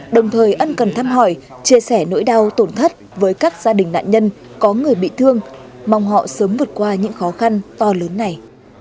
đồng thời ân cần thăm hỏi chia sẻ nỗi đau tổn thất với các gia đình nạn nhân có người bị thương mong họ sớm vượt qua những khó khăn to lớn này